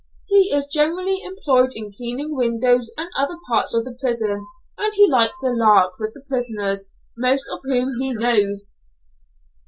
He is generally employed in cleaning windows and other parts of the prison, and he likes a 'lark' with the prisoners, most of whom he knows!"